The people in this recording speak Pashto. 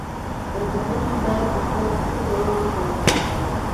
ترکيبونه بايد په خپل اصلي ډول وکارول شي.